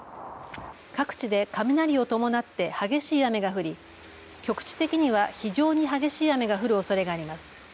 各地で雷を伴って激しい雨が降り局地的には非常に激しい雨が降るおそれがあります。